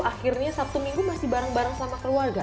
akhirnya sabtu minggu masih bareng bareng sama keluarga